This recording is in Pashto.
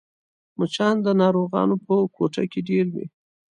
مچان د ناروغانو په کوټه کې ډېر وي